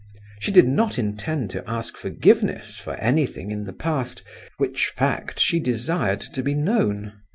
She did not intend to ask forgiveness for anything in the past, which fact she desired to be known.